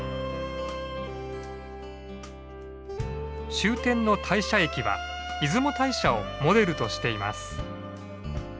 終点の大社駅は出雲大社をモデルとしています。